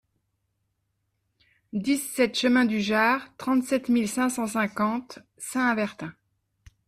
dix-sept chemin du Jard, trente-sept mille cinq cent cinquante Saint-Avertin